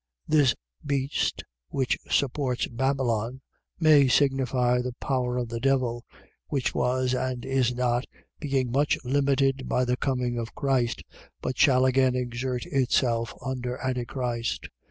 . .This beast which supports Babylon, may signify the power of the devil: which was and is not, being much limited by the coming of Christ, but shall again exert itself under Antichrist.